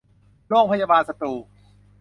โรงพยาบาลสตูล